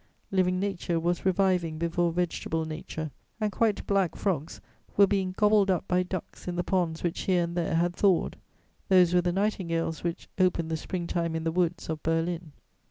Living nature was reviving before vegetable nature, and quite black frogs were being gobbled up by ducks in the ponds which here and there had thawed: those were the nightingales which "opened the spring time in the woods" of Berlin.